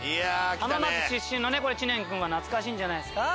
浜松出身の知念君は懐かしいんじゃないですか？